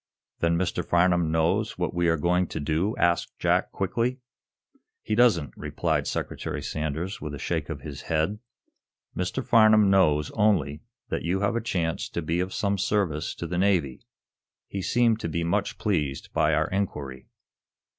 "Then Mr. Farnum knows what we are going to do?" asked Jack, quickly. "He doesn't," replied Secretary Sanders, with a shake of his head. "Mr. Farnum knows, only, that you have a chance to be of some service to the Navy. He seemed to be much pleased by our inquiry."